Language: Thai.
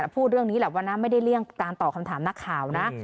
พูดเรื่องนี้แหละว่านะไม่ได้เลี่ยงการตอบคำถามนักข่าวนะ